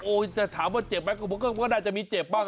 โอ๊ยแต่ถามว่าเจ็บไหมผมก็ได้จะมีเจ็บบ้าง